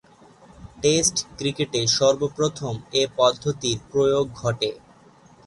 Test ক্রিকেটে সর্বপ্রথম এ পদ্ধতির প্রয়োগ ঘটে।